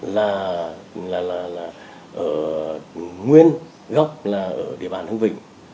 là nguyên gốc ở địa bàn hương vịnh